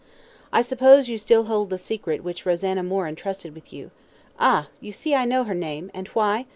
I suppose you still hold the secret which Rosanna Moore entrusted you with ah! you see I know her name, and why?